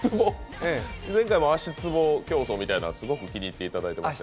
前回も足ツボ競争みたいのすごく気に入っていただいてました。